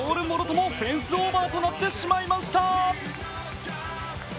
もろともフェンスオーバーとなってしまいました。